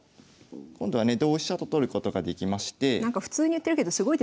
今度はね同飛車と取ることができまして。